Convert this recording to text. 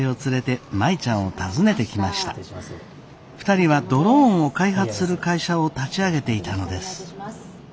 ２人はドローンを開発する会社を立ち上げていたのです。